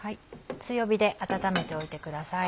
強火で温めておいてください。